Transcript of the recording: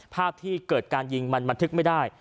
ภาพที่เกิดการยิงมันบันทึกไม่ได้